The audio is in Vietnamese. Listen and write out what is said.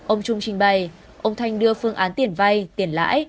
ông trung trình bày ông thanh đưa phương án tiền vay tiền lãi